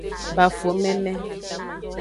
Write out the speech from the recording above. Bafo meme.